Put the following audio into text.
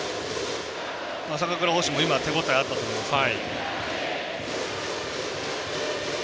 坂倉捕手も今、手応えあったと思いますね。